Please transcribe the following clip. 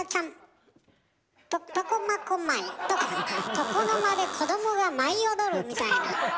床の間で子供が舞い踊るみたいな。